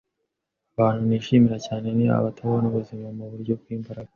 Abantu nishimira cyane ni abatabona ubuzima muburyo bwimbaraga.